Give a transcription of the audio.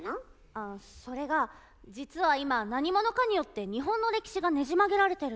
それが実は今何者かによって日本の歴史がねじ曲げられてるの。